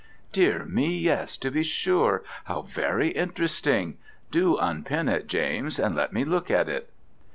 "Dear me, yes, to be sure! how very interesting. Do unpin it, James, and let me look at it."